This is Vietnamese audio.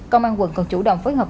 công an quận còn chủ động phối hợp